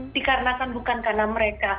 dikarenakan bukan karena mereka